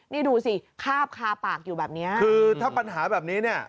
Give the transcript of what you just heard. นี่ดูสิคาบคาปากอยู่แบบเนี้ยคือถ้าปัญหาแบบนี้เนี่ย